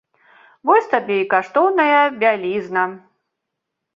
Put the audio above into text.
Вось табе і каштоўная бялізна!